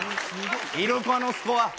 イルカのスコア。